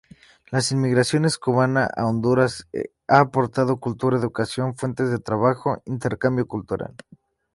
La inmigración cubana a Honduras ha aportado, Cultura, educación, fuentes de trabajo, intercambio cultural.